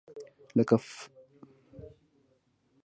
لکه فریسا، باربیرا او ځیني نور خوندور شربتونه وو.